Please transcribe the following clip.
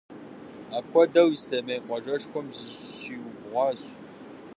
Апхуэдэу Ислъэмей къуажэшхуэм зыщиубгъуащ.